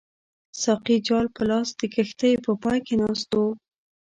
ساقي جال په لاس د کښتۍ په پای کې ناست وو.